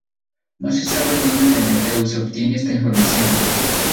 No se sabe donde Prometheus obtiene esta información.